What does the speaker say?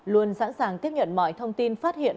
luôn sẵn sàng tiếp nhận mọi thông tin phát hiện